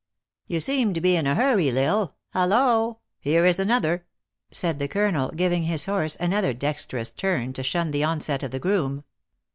"You seem to be in a hurry, L Isle. Hallo ! here is another !" said the colonel, giving his horse another dexterous turn, to shun the onset of the groom.